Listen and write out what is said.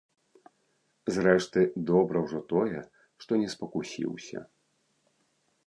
Зрэшты, добра ўжо тое, што не спакусіўся.